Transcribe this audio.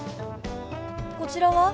こちらは？